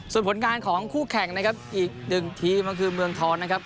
ส่วนผลการของคู่แข่งอีกหนึ่งตรงนี้ก็คือเมืองท้อนนะครับ